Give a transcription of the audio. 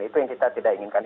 itu yang kita tidak inginkan